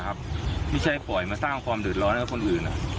ไม่ใช่ปล่อยมาสร้างความเดือดร้อนให้คนอื่น